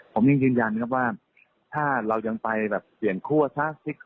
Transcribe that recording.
ผมยินยันว่าถ้าเรายังไปเปลี่ยนทั่วชาติ